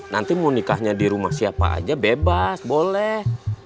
nanti mau nikahnya di rumah siapa aja bebas boleh